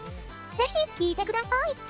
ぜひ聴いてください。